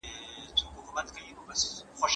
ولي هوډمن سړی د مخکښ سړي په پرتله لوړ مقام نیسي؟